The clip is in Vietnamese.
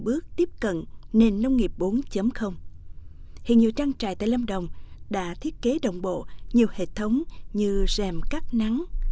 sử dụng hiện nhiều trang trại tại lâm đồng đã thiết kế đồng bộ nhiều hệ thống như rèm cắt nắng